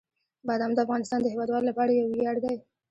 بادام د افغانستان د هیوادوالو لپاره یو ویاړ دی.